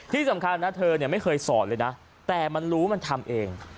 ที่สำคัญนะเธอไม่เคยสอนเลยนะแต่มันรู้มันทำเอง